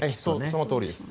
そのとおりです。